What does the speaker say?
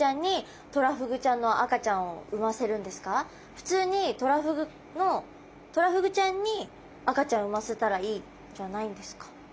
普通にトラフグのトラフグちゃんに赤ちゃんを産ませたらいいじゃないんですか？